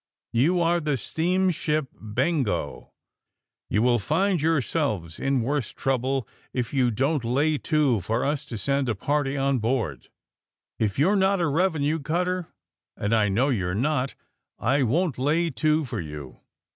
You are the steamship 'Bengo.' You will find yourselves in worse trouble if you don't lay to for us to send a party on board." ^^If you're not a revenue cutter, and I know you're not, I won't lay to for you!"